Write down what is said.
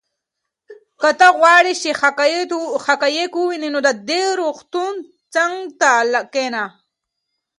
که ته غواړې چې حقایق ووینې نو د دې روغتون څنګ ته کښېنه.